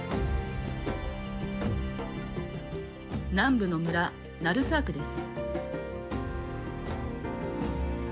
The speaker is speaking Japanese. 南部の村、ナルサークです。